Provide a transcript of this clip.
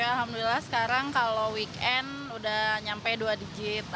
alhamdulillah sekarang kalau weekend sudah sampai dua digit